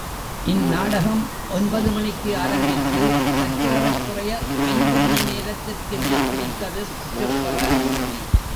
இந்நாடகம் ஒன்பது மணிக்கு ஆரம்பித்து சற்றேறக் குறைய ஐந்து மணி நேரத்திற்குமேல் பிடித்தது, முற்றுப்பெற.